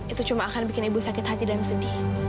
itu cuma akan bikin ibu sakit hati dan sedih